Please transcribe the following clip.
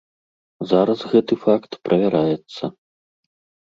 Зараз гэты факт правяраецца.